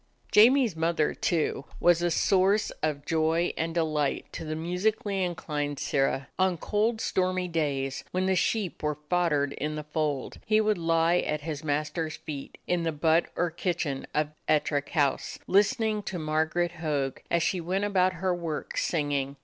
Jamie's mother, too, was a source of joy and delight to the musically inclined Sirrah. On cold, stormy days, when the sheep were foddered in the fold, he would lie at his mas ter's feet, in the but or kitchen of Ettrick House, listening to Margaret Hogg as she went about her work singing.